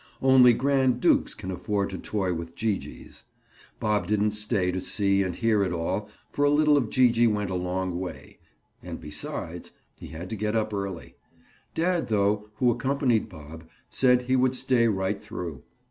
Only grand dukes can afford to toy with Gee gees. Bob didn't stay to see and hear it all for a little of Gee gee went a long way, and besides, he had to get up early. Dad though, who accompanied Bob, said he would stay right through.